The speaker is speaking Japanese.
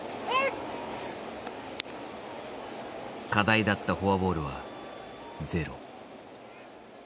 課題だったフォアボールはゼロ。